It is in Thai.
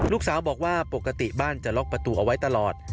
ลูกสาวบอกว่าปกติบ้านจะล็อกประตูเอาไว้ตลอด